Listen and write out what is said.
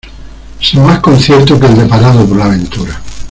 sin más concierto que el deparado por la ventura.